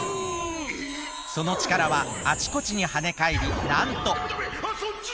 そのちからはあちこちにはねかえりなんと。